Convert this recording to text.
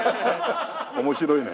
面白いね。